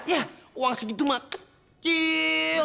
ya uang segitu mah kecil